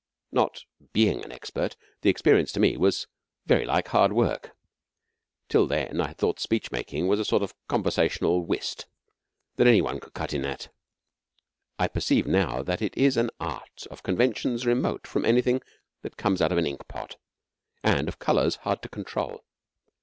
Not being an expert, the experience, to me, was very like hard work. Till then I had thought speech making was a sort of conversational whist, that any one could cut in at it. I perceive now that it is an Art of conventions remote from anything that comes out of an inkpot, and of colours hard to control.